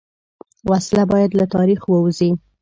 وسله باید له تاریخ ووځي